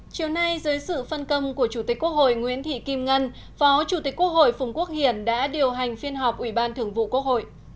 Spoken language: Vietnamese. chiều nay dưới sự phân công của chủ tịch quốc hội nguyễn thị kim ngân phó chủ tịch quốc hội phùng quốc hiển đã điều hành phiên họp ủy ban thường vụ quốc hội